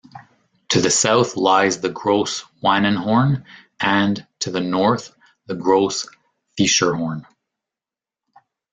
To the south lies the Gross Wannenhorn and, to the north, the Gross Fiescherhorn.